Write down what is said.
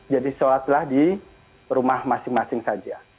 jadi sholatlah di rumah masing masing saja